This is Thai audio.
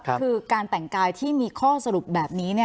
คือการแต่งกายที่มีข้อสรุปแบบนี้